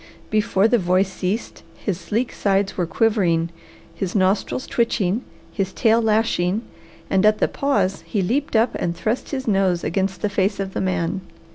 Before the voice ceased, his sleek sides were quivering, his nostrils twitching, his tail lashing, and at the pause he leaped up and thrust his nose against the face of the man.